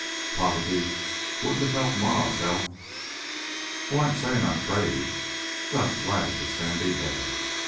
"Poverty wouldn't have helped Ma's health " "Oh, I ain't sayin' I'd trade!" Gus wagged his sandy head.